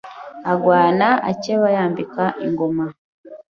Arwana akeba yambika ingoma